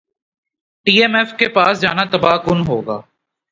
ئی M F کے پاس جانا تباہ کن ہوگا